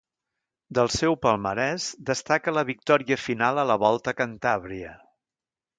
Del seu palmarès destaca la victòria final a la Volta a Cantàbria.